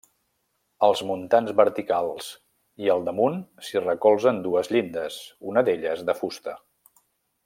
Els muntants verticals i al damunt s'hi recolzen dues llindes, una d'elles de fusta.